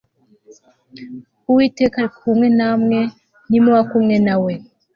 Uwiteka ari kumwe namwe nimuba kumwe na we